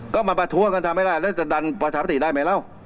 ก็มันประทัวร์กันทำไม่ได้แล้วจะดันประชาปฏิได้ไหมแล้ว